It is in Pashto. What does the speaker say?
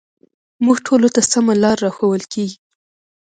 موږ ټولو ته سمه لاره راښوول کېږي